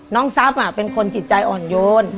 ทรัพย์เป็นคนจิตใจอ่อนโยน